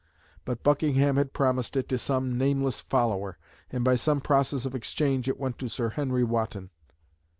But Buckingham had promised it to some nameless follower, and by some process of exchange it went to Sir Henry Wotton.